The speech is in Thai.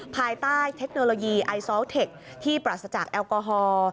ภายใต้เทคโนโลยีไอซอลเทคที่ปราศจากแอลกอฮอล์